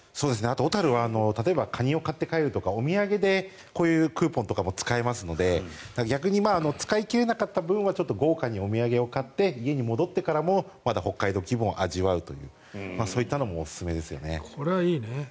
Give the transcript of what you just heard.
あと、小樽は例えばカニを買って帰るとかお土産こういうクーポンとかも使えますので逆に使い切れなかった分は豪華にお土産を買って家に戻ってからもまだ北海道気分を味わうというこれはいいね。